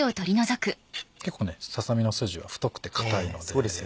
結構ささ身の筋は太くて硬いので。